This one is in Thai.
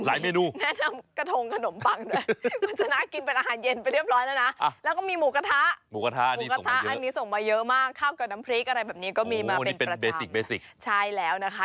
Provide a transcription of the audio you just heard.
แนะนำกระทงขนมปังด้วยมันจะน่ากินเป็นอาหารเย็นไปเรียบร้อยแล้วนะ